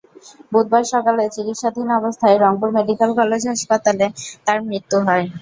বুধবার সকালে চিকিৎসাধীন অবস্থায় রংপুর মেডিকেল কলেজ হাসপাতালে তাঁর মৃত্যু হয়।